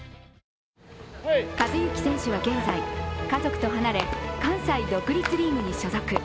寿志選手は現在、家族と離れ関西独立リーグに所属。